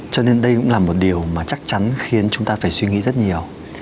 cho nên đây cũng là một điều mà chắc chắn khiến chúng ta phải suy nghĩ rất nhiều